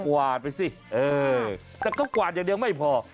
กวาดไปสิเออแต่ก็กวาดอย่างเดียวไม่พอ